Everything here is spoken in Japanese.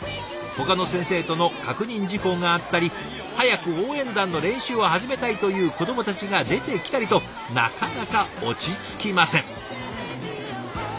ほかの先生との確認事項があったり早く応援団の練習を始めたいという子どもたちが出てきたりとなかなか落ち着きません。